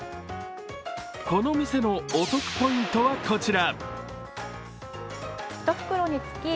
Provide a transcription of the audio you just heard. この店のお得ポイントは、こちら。